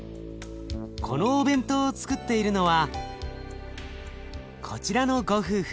このお弁当をつくっているのはこちらのご夫婦。